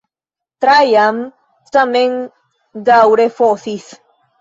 Trajan tamen daŭre fosis.